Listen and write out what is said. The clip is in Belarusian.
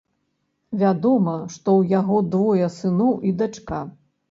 Вядома, што ў яго двое сыноў і дачка.